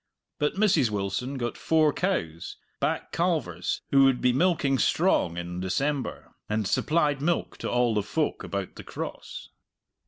But Mrs. Wilson got four cows, back calvers who would be milking strong in December, and supplied milk to all the folk about the Cross.